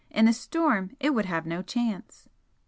In a storm it would have no chance."